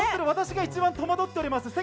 私が一番戸惑っております。